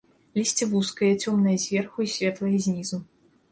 Лісце вузкае, цёмнае зверху і светлае знізу.